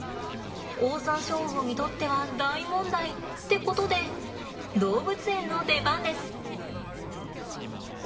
オオサンショウウオにとっては大問題ってことで動物園の出番です！